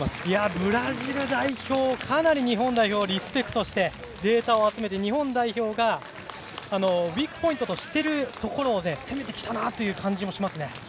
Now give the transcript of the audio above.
ブラジル代表かなり日本代表をリスペクトしてデータを集めて日本代表がウイークポイントとしているところを攻めてきたなという感じもします。